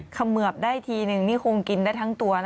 เขมือบได้ทีนึงนี่คงกินได้ทั้งตัวนะ